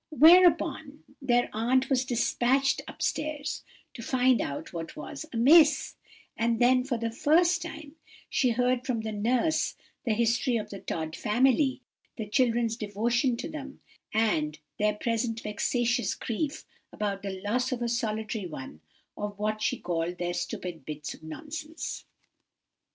"Whereupon their aunt was dispatched up stairs to find out what was amiss; and then, for the first time, she heard from the nurse the history of the Tod family, the children's devotion to them, and their present vexatious grief about the loss of a solitary one of what she called their stupid bits of nonsense.